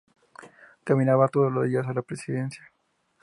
Caminaba todos los días a la Presidencia.